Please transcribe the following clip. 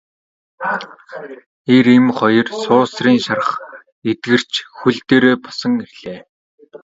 Эр эм хоёр суусрын шарх эдгэрч хөл дээрээ босон ирлээ.